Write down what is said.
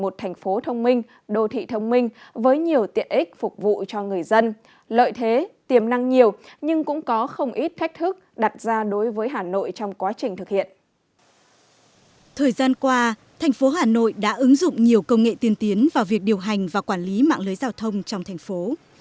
thời gian qua thành phố hà nội đã ứng dụng nhiều công nghệ tiên tiến vào việc điều hành và quản lý mạng lưới giao thông trong thành phố